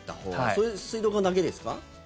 それは水道管だけですか？